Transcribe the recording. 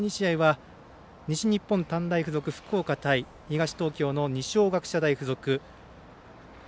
第２試合は西日本短大付属、福岡対東東京の二松学舎大付属。